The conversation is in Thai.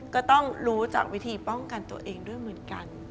ก็ต้องรู้จากวิธีป้องกันตัวเองด้วยเหมือนกัน